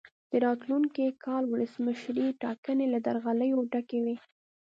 د راتلونکي کال ولسمشرۍ ټاکنې له درغلیو ډکې وې.